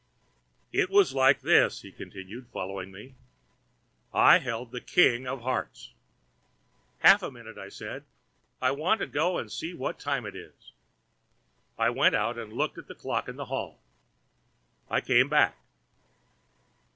"It was like this," he continued, following me: "I held the king of hearts—" "Half a minute," I said; "I want to go and see what time it is." I went out and looked at the clock in the hall. I came back.